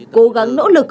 cố gắng nỗ lực